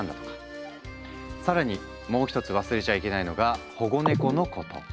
更にもう一つ忘れちゃいけないのが「保護猫」のこと。